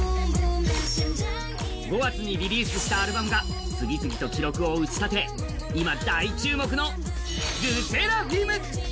５月にリリースしたアルバムが次々と記録を打ちたて、今、大注目のＬＥＳＳＥＲＡＦＩＭ。